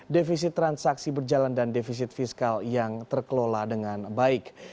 defisit transaksi berjalan dan defisit fiskal yang terkelola dengan baik